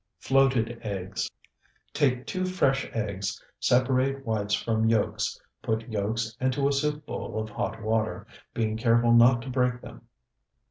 FLOATED EGGS Take two fresh eggs, separate whites from yolks, put yolks into a soup bowl of hot water, being careful not to break them.